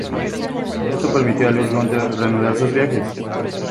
Esto permitió a Luis Gunter reanudar sus viajes.